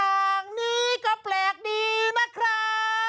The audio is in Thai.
อย่างนี้ก็แปลกดีนะครับ